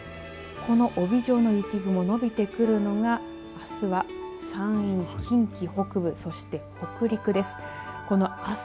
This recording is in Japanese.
この帯状の雪雲伸びてくるのがあすは山陰、近畿北部そして北陸です。